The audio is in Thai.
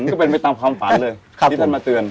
ก็เป็นไปตามความฝันเลยที่ท่านมาเตือน